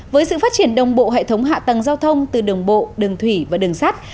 với sự phát triển đồng bộ hệ thống hạ tăng giao thông từ đồng bộ đường thủy và đường sát